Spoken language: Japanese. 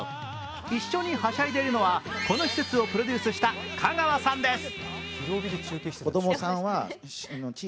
一緒にはしゃいでいるのはこの施設をプロデュースした香川さんです。